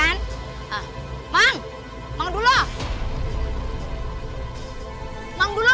kenapa bawa kamat kamu semburan